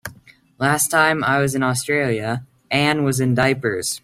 Last time I was in Australia Anne was in diapers.